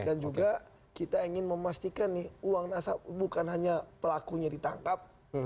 dan juga kita ingin memastikan nih uang nasab bukan hanya pelakunya ditangkap